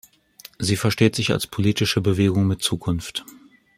Sie versteht sich als Politische Bewegung mit Zukunft.